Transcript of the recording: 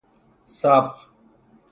صبغ